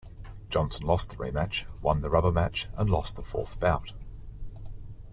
Johnson lost the rematch, won the rubber match and lost the fourth bout.